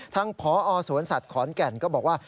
ทางพอสวนสัตว์ขอนแก่นก็บอกว่า